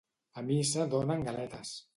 A missa donen galetes.